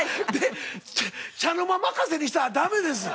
茶の間任せにしたらダメです。